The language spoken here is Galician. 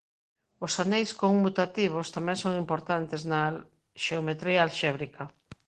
Os aneis conmutativos tamén son importantes na xeometría alxébrica.